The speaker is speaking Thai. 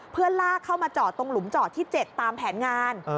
เพื่อลากเข้ามาจอดตรงหลุมจอดที่๗ตามแผนงาน